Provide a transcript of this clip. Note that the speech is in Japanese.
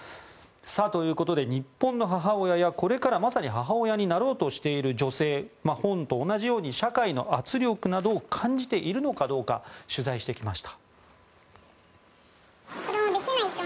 ということで日本の母親がまさにこれからは母親になろうとしている女性本と同じように社会の圧力を感じているのか取材してきました。